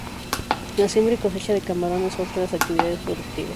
La siembra y cosecha de camarón es otra de las actividades productivas.